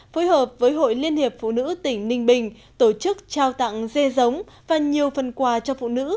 phối hợp với hội liên hiệp phụ nữ tỉnh ninh bình tổ chức trao tặng dê giống và nhiều phần quà cho phụ nữ